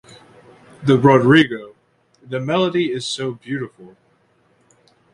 The Rodrigo, the melody is so beautiful.